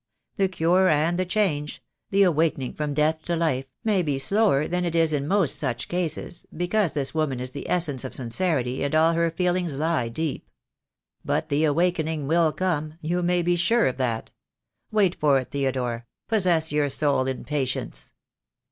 The cure and the change, the awakening from death to life, may be slower than it is in most such cases, because this woman is the essence of sincerity, and all her feelings lie deep. But the awakening will come — you may be sure of that. Wait for it, Theodore, possess your soul in patience."